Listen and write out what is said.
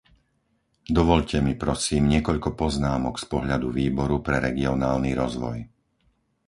Dovoľte mi, prosím, niekoľko poznámok z pohľadu Výboru pre regionálny rozvoj.